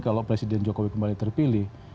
kalau presiden jokowi kembali terpilih